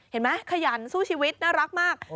เห็นไหมขยันสู้ชีวิตน่ารักมาก